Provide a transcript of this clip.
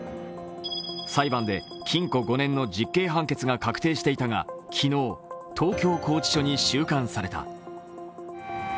裁判で禁錮５年の実刑判決が確定していたが、昨日東京拘置所に収監された。